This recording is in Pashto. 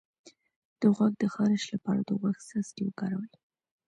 د غوږ د خارش لپاره د غوږ څاڅکي وکاروئ